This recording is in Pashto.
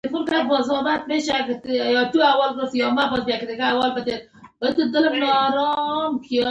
جنوب د امریکا اساسي قانون تابع و.